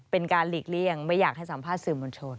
เป็นการหลีกเลี่ยงไม่อยากให้สัมภาษณ์สื่อมวลชน